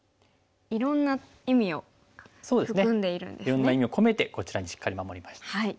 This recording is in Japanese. いろんな意味を込めてこちらにしっかり守りました。